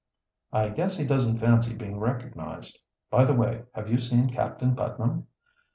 "I guess he doesn't fancy being recognized. By the way, have you seen Captain Putnam?"